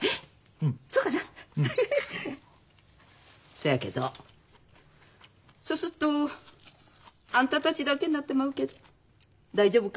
そやけどそうすっとあんたたちだけになってまうけど大丈夫かな？